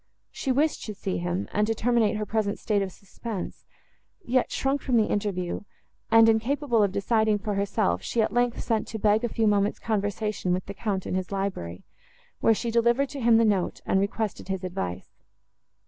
She wished to see him, and to terminate her present state of suspense, yet shrunk from the interview, and, incapable of deciding for herself, she, at length, sent to beg a few moments' conversation with the Count in his library, where she delivered to him the note, and requested his advice.